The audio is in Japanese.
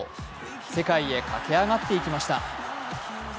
世界へ駆け上がっていきました。